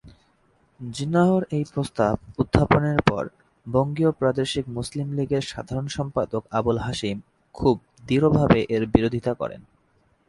জিন্নাহর এই প্রস্তাব উত্থাপনের পর বঙ্গীয় প্রাদেশিক মুসলিম লীগের সাধারণ সম্পাদক আবুল হাশিম খুব দৃঢ়ভাবে এর বিরোধিতা করেন।